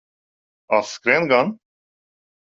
Atskrien gan.